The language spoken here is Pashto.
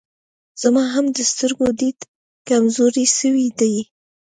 زما هم د سترګو ديد کمزوری سوی دی